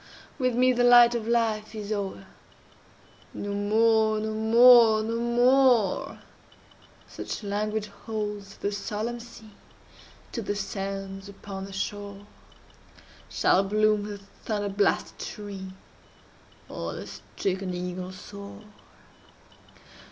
with me The light of life is o'er. "No more—no more—no more," (Such language holds the solemn sea To the sands upon the shore,) Shall bloom the thunder blasted tree, Or the stricken eagle soar!